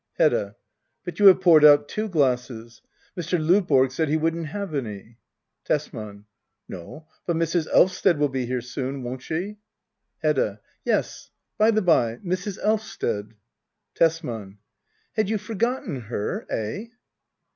Hedda. But you have poured out two glasses. Mr. Lovborg said he wouldn't have any Tesman. No, but Mrs, Elvsted will soon be here, won't she? Hedda. Yes, by the bye — Mrs. Elvsted Tesman. Had you forgotten her ? £h